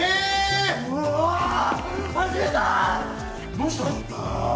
どうしたの？